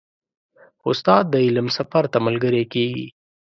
استاد د علم سفر ته ملګری کېږي.